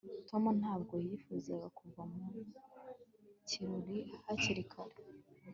tom ntabwo yifuzaga kuva mu kirori hakiri kare